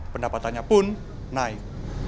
pendapatannya pun naik